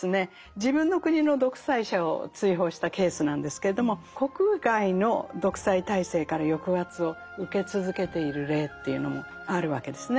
自分の国の独裁者を追放したケースなんですけれども国外の独裁体制から抑圧を受け続けている例というのもあるわけですね。